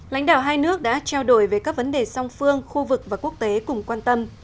lãnh đạo hai nước đã trao đổi về các vấn đề song phương khu vực và quốc tế cùng quan tâm